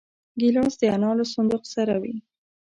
ګیلاس د انا له صندوق سره وي.